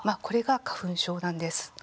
これが花粉症なんです。